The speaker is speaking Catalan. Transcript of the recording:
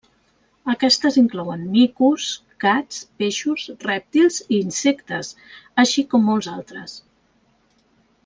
Aquestes inclouen micos, gats, peixos, rèptils, i insectes; així com molts altres.